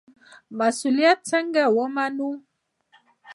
مسوولیت څنګه ومنو؟